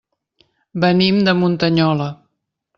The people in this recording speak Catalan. Venim de Muntanyola.